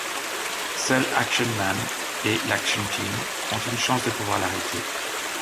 Seul Action Man et l'Action Team ont une chance de pouvoir l'arrêter.